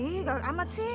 ih gak amat sih